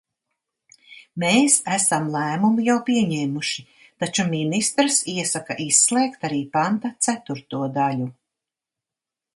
Mēs esam lēmumu jau pieņēmuši, taču ministrs iesaka izslēgt arī panta ceturto daļu.